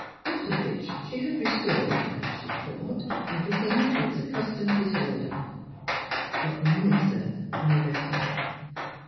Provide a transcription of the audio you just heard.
After which she had restored (as she thought) everything to its accustomed dis order. But the minister knew better.